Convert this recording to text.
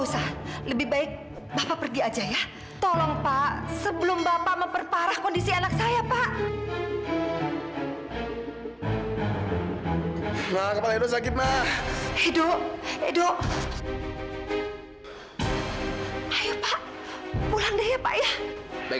sampai jumpa di video selanjutnya